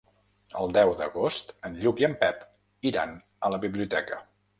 El deu d'agost en Lluc i en Pep iran a la biblioteca.